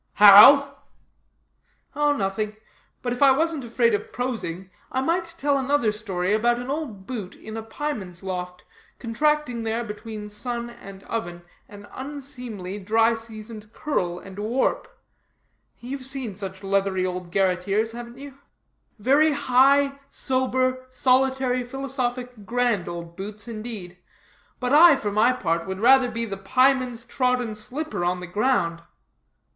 "How?" "Oh, nothing! but if I wasn't afraid of prosing, I might tell another story about an old boot in a pieman's loft, contracting there between sun and oven an unseemly, dry seasoned curl and warp. You've seen such leathery old garretteers, haven't you? Very high, sober, solitary, philosophic, grand, old boots, indeed; but I, for my part, would rather be the pieman's trodden slipper on the ground.